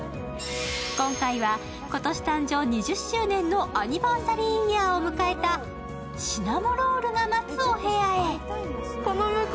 今回は今年誕生２０周年のアニバーサリーイヤーを迎えたシナモロールが待つお部屋へ。